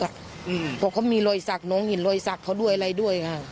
เพราะเขามีรอยสักน้องเห็นรอยสักเขาด้วยอะไรด้วยค่ะ